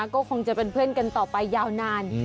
ก็คงจะเป็นเพื่อนกันต่อไปยาวนาน